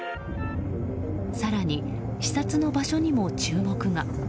更に視察の場所にも注目が。